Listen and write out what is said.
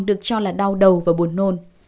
được cho là đau đầu và buồn nôn